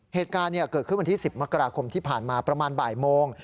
เหตุการณ์เกิดขึ้นวันที่๑๐มกราคมที่ผ่านมาประมาณบ่ายโมง